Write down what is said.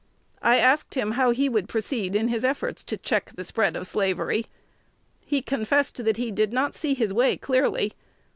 I asked him how he would proceed in his efforts to check the spread of slavery. _He confessed he did not see his way clearly.